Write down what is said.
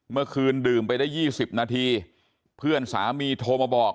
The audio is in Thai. เมื่อคืนดื่มไปได้๒๐นาทีเพื่อนสามีโทรมาบอก